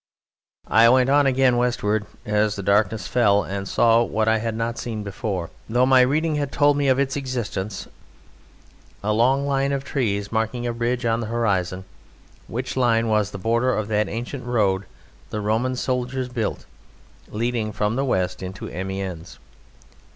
I went on again westward as the darkness fell and saw what I had not seen before, though my reading had told me of its existence, a long line of trees marking a ridge on the horizon, which line was the border of that ancient road the Roman soldiers built leading from the west into Amiens.